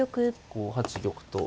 ５八玉と。